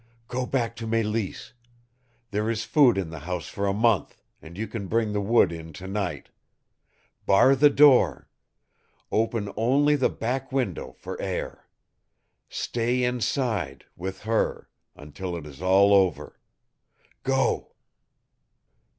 "Go back to Mélisse. There is food in the house for a month, and you can bring the wood in to night. Bar the door. Open only the back window for air. Stay inside with her until it is all over. Go!"